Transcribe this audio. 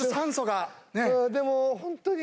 でもホントに。